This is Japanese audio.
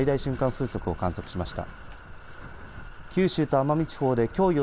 風速を観測しました。